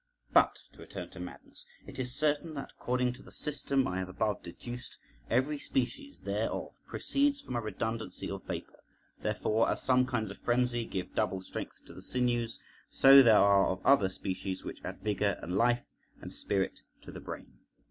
But to return to madness. It is certain that, according to the system I have above deduced, every species thereof proceeds from a redundancy of vapour; therefore, as some kinds of frenzy give double strength to the sinews, so there are of other species which add vigour, and life, and spirit to the brain.